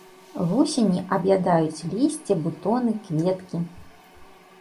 Вусені аб'ядаюць лісце, бутоны, кветкі.